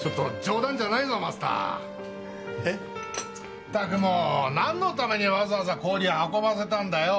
ったくもうなんのためにわざわざ氷運ばせたんだよ。